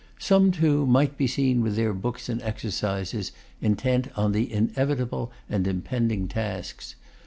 Some, too, might be seen with their books and exercises, intent on the inevitable and impending tasks.